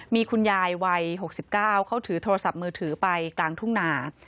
มีคุณยายวัย๖๙เขาถือโทรศัพท์มือถือไปกลางทุ่งนา